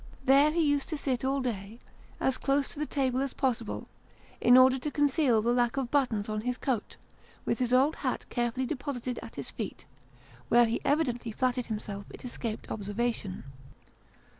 There he used to sit all day, as close to the table as possible, in order to conceal the lack of buttons on his coat : with his old hat carefully deposited at his feet, where he evidently flattered himself it escaped observation.